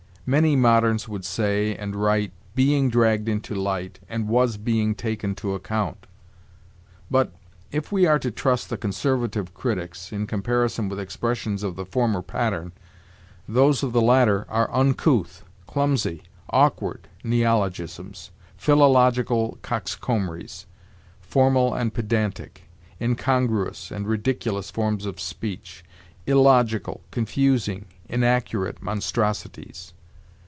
Many moderns would say and write 'being dragged into light,' and 'was being taken to account.' But, if we are to trust the conservative critics, in comparison with expressions of the former pattern, those of the latter are 'uncouth,' 'clumsy,' 'awkward neologisms,' 'philological coxcombries,' 'formal and pedantic,' 'incongruous and ridiculous forms of speech,' 'illogical, confusing, inaccurate monstrosities.'